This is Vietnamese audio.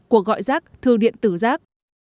cuộc gọi rác thư điện tử rác